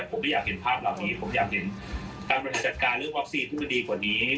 ผมไม่อยากเห็นภาพเหล่านี้ผมอยากเห็นการบริหารจัดการเรื่องวัคซีนที่มันดีกว่านี้